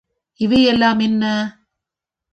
இவை யெல்லாம் என்ன?